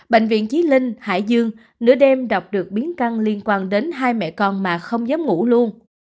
bệnh viện chí linh hải dương nửa đêm đọc được biến căng liên quan đến hai mẹ con mà không dám ngủ luôn